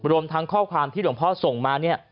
รวมทั้งข้อความที่หลวงพ่อส่งมาเนี่ย